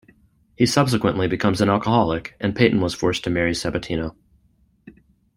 He subsequently becomes an alcoholic, and Peyton was forced to marry Sabatino.